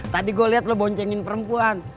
tadi gue liat lo boncengin perempuan